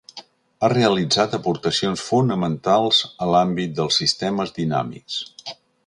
Ha realitzat aportacions fonamentals a l'àmbit dels sistemes dinàmics.